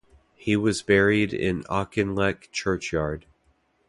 He was buried in Auchinleck churchyard.